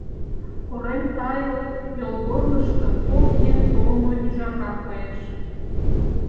Корем тайыл йолгорнышто кок еҥ толмо ӱжака коеш.